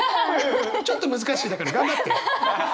ちょっと難しいだから頑張って。